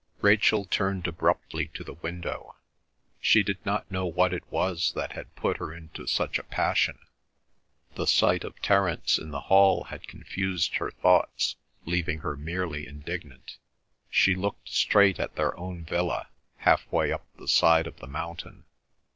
Rachel turned abruptly to the window. She did not know what it was that had put her into such a passion; the sight of Terence in the hall had confused her thoughts, leaving her merely indignant. She looked straight at their own villa, half way up the side of the mountain.